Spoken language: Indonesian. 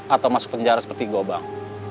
atau masuk penjara seperti gobang